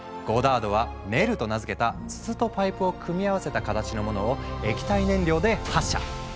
ゴダードは「ネル」と名付けた筒とパイプを組み合わせた形のものを液体燃料で発射。